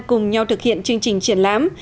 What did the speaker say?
cùng nhau thực hiện chương trình triển lãm